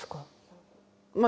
まあ